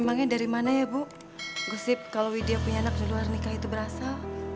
emangnya dari mana ya bu gusip kalau widya punya anak di luar nikah itu berasal